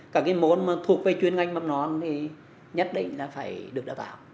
cả những môn thuộc về chuyên ngành mắm nón thì nhất định là phải được đào tạo